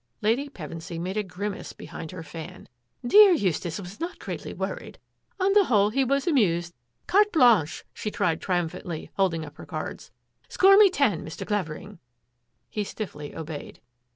Lady Pevensy made a grimace behind her fan. " Dear Eustace was not greatly worried. On the whole he was amused. C(M^e blanche! " she cried triumphantly, holding up her cards. " Score me ten, Mr. Clavering." He stiffly obeyed.